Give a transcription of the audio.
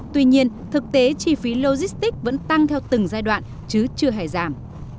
tuy nhiên thực tế chi phí logistics vẫn tăng theo từng giai đoạn chứ chưa hề giảm